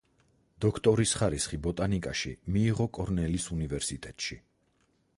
დოქტორის ხარისხი ბოტანიკაში მიიღო კორნელის უნივერსიტეტში.